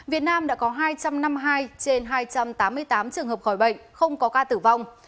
việt nam đã có hai trăm năm mươi hai trên hai trăm tám mươi tám trường hợp khỏi bệnh không có ca tử vong